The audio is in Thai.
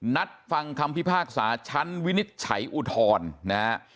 นัดฟังคำพิพากษาชั้นวินิจฉัยอุทธรณ์นะฮะ